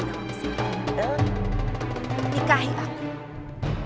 kita akan hidup bahagia cukup